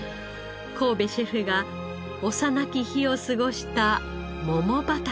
神戸シェフが幼き日を過ごした桃畑です。